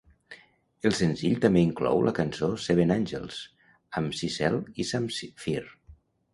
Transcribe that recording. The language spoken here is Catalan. El senzill també inclou la cançó "Seven Angels" amb Sissel i Zamfir.